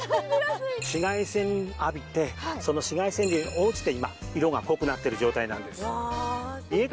紫外線浴びてその紫外線量に応じて今色が濃くなってる状態なんです。